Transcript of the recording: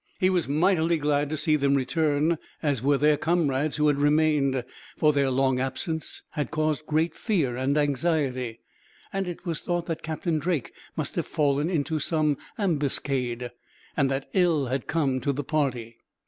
He was mightily glad to see them return, as were their comrades who had remained; for their long absence had caused great fear and anxiety, as it was thought that Captain Drake must have fallen into some ambuscade, and that ill had come to the party.